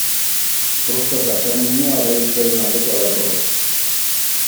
Prostata terminoa erabiltzearen aldekoa da Torres.